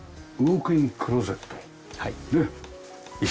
ウォークインクローゼット。ねえ。